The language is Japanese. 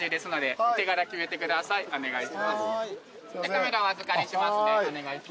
カメラお預かりしますねお願いします。